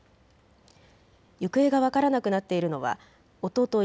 行方が分からなくなっているのはおととい